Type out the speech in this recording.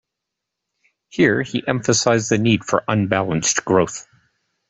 Here he emphasized the need for unbalanced growth.